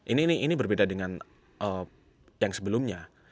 ini berbeda dengan yang sebelumnya